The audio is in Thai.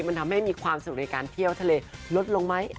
มันทำให้มีความสุขในการเที่ยวทะเลลดลงไหม